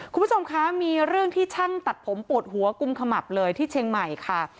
คุณผู้ชมคะมีเรื่องที่ช่างตัดผมปวดหัวกุมขมับเลยที่เชียงใหม่ค่ะ